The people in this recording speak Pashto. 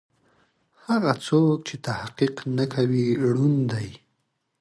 هغه څوک چې تحقيق نه کوي ړوند دی.